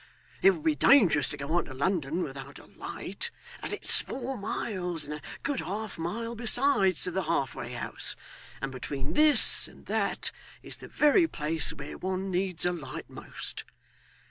It would be dangerous to go on to London without a light; and it's four miles, and a good half mile besides, to the Halfway House; and between this and that is the very place where one needs a light most.